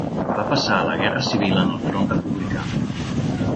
Va passar la guerra civil en el front republicà.